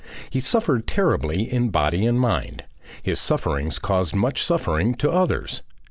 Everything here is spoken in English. He suffered terribly in body and mind. His sufferings caused much suffering to others.